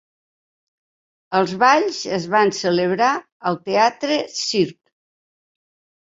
Els balls es van celebrar al Teatre Circ.